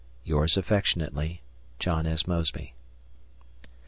... Yours affectionately, John S. Mosby.